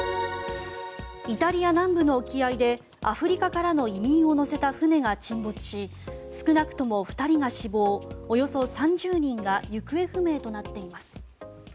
イタリア南部の沖合でアフリカからの移民を乗せた船が沈没し、少なくとも２人が死亡およそ３０人が行方不明となっています。